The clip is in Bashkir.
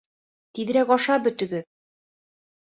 — Тиҙерәк ашап бөтөгөҙ!